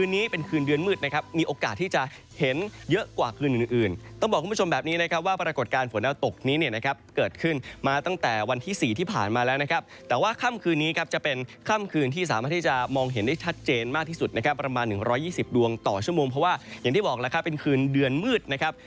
เห็นได้ชัดเจนมากที่สุดนะครับประมาณหนึ่งร้อยยี่สิบดวงต่อชั่วโมงเพราะว่าอย่างที่บอกแล้วครับเป็นคืนเดือนมืดนะครับ